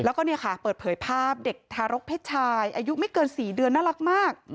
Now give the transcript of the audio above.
แล้วก็เนี่ยค่ะเปิดเผยภาพเด็กทารกเพศชายอายุไม่เกิน๔เดือนน่ารักมาก